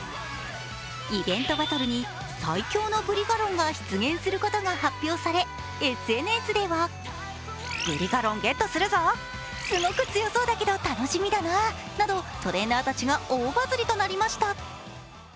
イベントバトルに最強のブリガロンが出現することが発表されＳＮＳではなどトレーナーたちが大バズりとなりました。